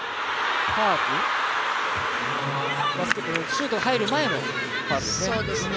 シュートが入る前のファウルですね。